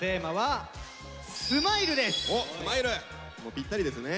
ぴったりですね。